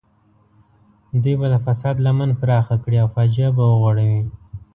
دوی به د فساد لمن پراخه کړي او فاجعه به وغوړوي.